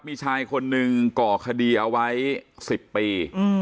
มีชายคนหนึ่งก่อคดีเอาไว้๑๐ปี